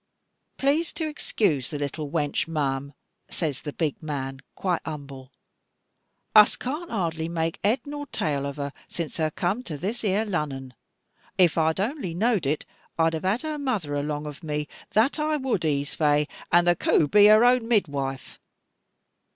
'Plase to excuse the little wanch, ma'am,' says the big man, quite humble, 'us can't hardly make head nor tail of her, since her come to this here Lunnon. If I had only knowed it I'd have had her mother along of me, that I would ees fai, and the coo be her own midwaife.